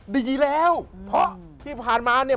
ดีแล้วเพราะที่ผ่านมาเนี่ย